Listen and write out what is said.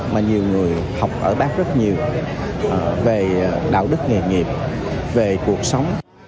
mà nhiều người học ở bác rất nhiều về đạo đức nghề nghiệp về cuộc sống